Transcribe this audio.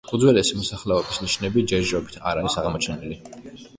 უძველესი მოსახლეობის ნიშნები ჯერჯერობით არ არის აღმოჩენილი.